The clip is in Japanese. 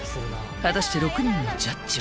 果たして６人のジャッジは？